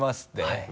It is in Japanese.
はい。